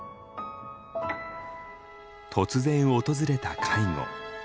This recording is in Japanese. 突然訪れた介護。